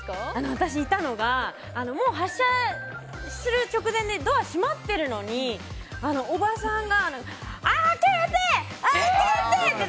私、いたのがもう発車する直前でドアが閉まってるのにおばさんが開けて！